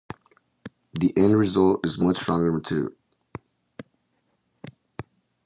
The end result is a much stronger material.